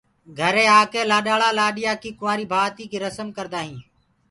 گھري آ ڪي لآڏآݪآ لآڏيآ ڪي ڪُنٚوآري ڀآتي ڪي رسم ڪردآ هينٚ۔